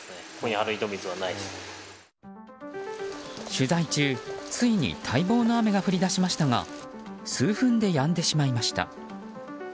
取材中、ついに待望の雨が降り出しましたが数分でやんでしまいました。